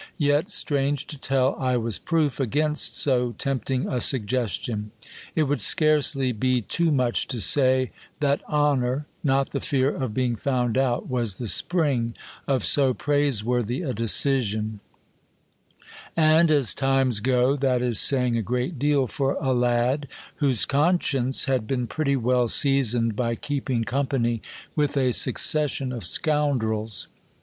Yet, strange to telL I was proof against so tempting a suggestion : it would scarcely be too much to say, that honour, not the fear of being found out, was the spring of so praiseworthy a decision ; and as times go, that is saying a great deal for a lad, whose conscience had been pretty well seasoned by keeping company with a succession of scoundrels.